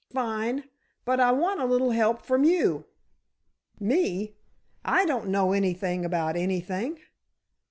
"Fine; but I want a little help from you." "Me? I don't know anything about anything."